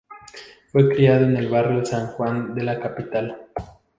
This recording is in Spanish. Fue criado en el barrio San Juan de la capital.